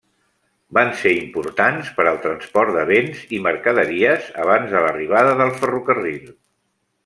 Van ser importants per al transport de béns i mercaderies abans de l'arribada del ferrocarril.